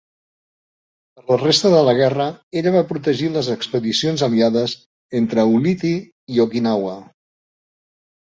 Per la resta de la guerra, ella va protegir les expedicions aliades entre Ulithi i Okinawa.